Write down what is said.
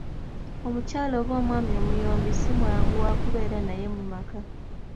Omukyala oba omwami omuyombi simwangu wakubeera naye mu maka.